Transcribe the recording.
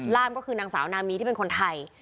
ก็คือนางสาวนามีที่เป็นคนไทย